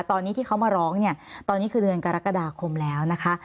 ตอนนี้ที่เขามาร้องเนี่ยตอนนี้คือเดือนกรกฎาคมแล้วนะคะ